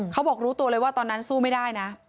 เขาบอกรู้ตัวเลยว่าตอนนั้นสู้ไม่ได้นะ